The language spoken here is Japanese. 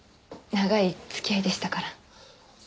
長い付き合いでしたから。